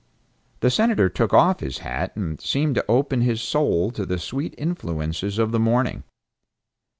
The Senator took off his hat and seemed to open his soul to the sweet influences of the morning.